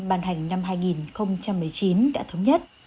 ban hành năm hai nghìn một mươi chín đã thống nhất